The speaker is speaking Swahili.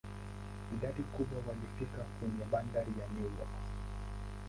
Idadi kubwa walifika kwenye bandari la New York.